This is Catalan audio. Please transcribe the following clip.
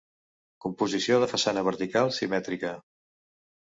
Composició de façana vertical, simètrica.